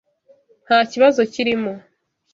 Nta kibazo kirimo.